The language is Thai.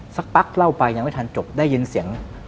สักพักเล่าไปยังไม่ทันจบได้ยินเสียง